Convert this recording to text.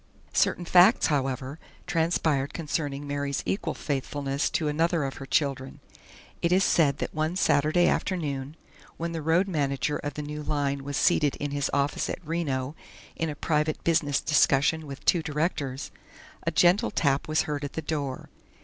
Certain facts, however, transpired concerning Mary's equal faithfulness to another of her children. It is said that one Saturday afternoon, when the road manager of the new line was seated in his office at Reno in private business discussion with two directors, a gentle tap was heard at the door.